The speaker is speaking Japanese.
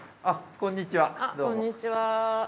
あっこんにちは。